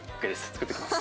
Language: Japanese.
作ってきます。